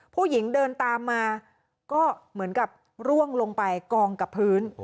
ผู้หญิงเดินตามมาก็เหมือนกับร่วงลงไปกองกับพื้น